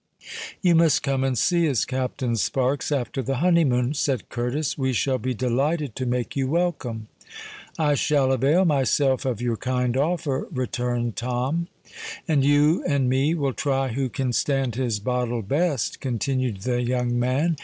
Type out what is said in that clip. "You must come and see us, Captain Sparks, after the honeymoon," said Curtis. "We shall be delighted to make you welcome." "I shall avail myself of your kind offer," returned Tom. "And you and me will try who can stand his bottle best," continued the young man.